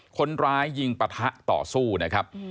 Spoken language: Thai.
คนร้ายยิงปะทะต่อสู้นะครับ